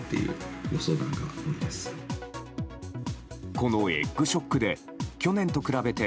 このエッグショックで去年と比べて